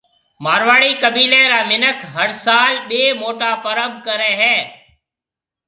مارواڙِي قبيلَي را مِنک هر سال ٻي موٽا پَرٻ ڪريَ هيَ۔